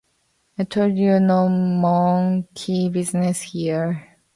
I told you no monkey business here!